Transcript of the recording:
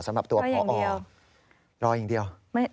สำหรับตัวพอรออย่างเดียวไม่หลอกกันนะรออย่างเดียว